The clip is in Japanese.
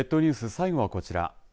最後はこちら。